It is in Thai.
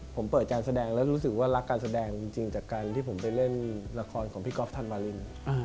ผมเปิดการแสดงแล้วรู้สึกว่ารักการแสดงจริงจากการที่ผมไปเล่นละครของพี่ก๊อฟธันวาลิน